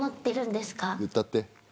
言うたって。